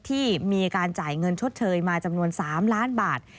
ที่มีการจ่ายเงินชดเชยมาจำนวน๓ล้านบาท